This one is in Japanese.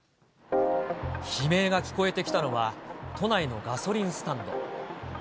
悲鳴が聞こえてきたのは、都内のガソリンスタンド。